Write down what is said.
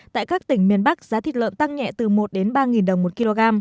tại các tỉnh miền bắc giá thịt lợn tăng nhẹ từ một ba đồng một kg